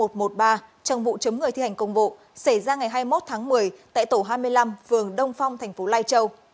trong vụ chấm người thi hành công vụ xảy ra ngày hai mươi một một mươi tại tổ hai mươi năm phường đông phong tp lai châu